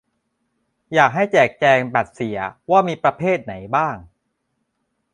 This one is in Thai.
อยากให้แจกแจงบัตรเสีย ว่ามีประเภทไหนบ้าง